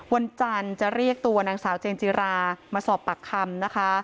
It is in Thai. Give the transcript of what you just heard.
วันจันทร์จะเรียกตัวนางสาวเจนจิรามาสอบปากคำนะคะ